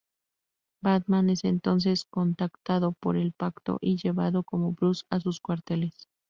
Batman es entonces contactado por el Pacto y llevado, como Bruce, a sus cuarteles.